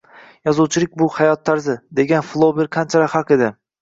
“Yozuvchilik bu – hayot tarzi”, degan Flober qanchalar haq edi